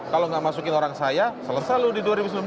kalau nggak masukin orang saya selesai loh di dua ribu sembilan belas